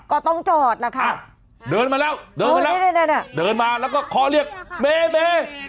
ก็ต้องจอดล่ะค่ะเดินมาแล้วเดินมาแล้วเดินมาแล้วก็คอเรียกเม